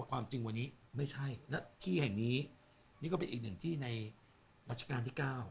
ความจริงวันนี้ไม่ใช่และที่แห่งนี้นี่ก็เป็นอีกหนึ่งที่ในรัชกาลที่๙